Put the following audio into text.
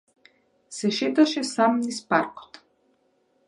Се шеташе сам низ паркот.